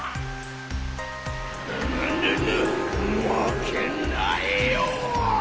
ぐぬぬぬまけないよ！